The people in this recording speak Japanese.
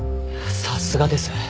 さすがです。